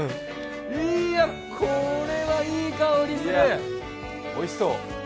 いや、これはいい香りする！